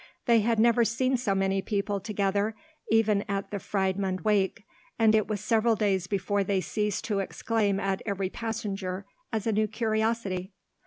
They had never seen so many people together even at the Friedmund Wake, and it was several days before they ceased to exclaim at every passenger as a new curiosity.